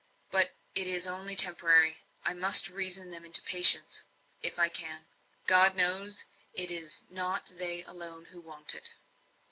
But it is only temporary; I must reason them into patience, if I can; God knows, it is not they alone who want it."